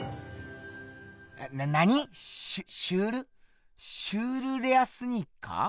な何⁉シュシュールシュールレアスニーカー？